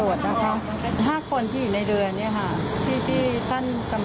แล้วก็ไม่พบ